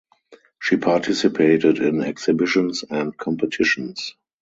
She participated in exhibitions and competitions.